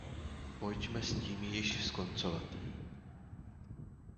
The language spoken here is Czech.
Pojďme s tím již skoncovat.